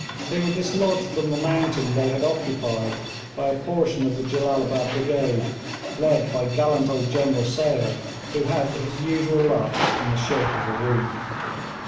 They were dislodged from the mountain they had occupied by a portion of the Jellalabad brigade, led by gallant old General Sale, who had his usual luck in the shape of a wound.